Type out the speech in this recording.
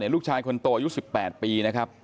ลูกชายคนโตอายุสิบแปดปีนะครับ